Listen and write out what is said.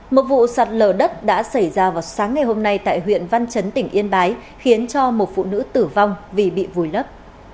một vụ sạt lở đất đã xảy ra vào sáng ngày hôm nay tại huyện văn chấn tỉnh yên bái khiến cho một phụ nữ tử vong vì bị vùi lấp